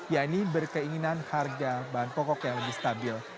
yakni berkeinginan harga bahan pokok yang lebih stabil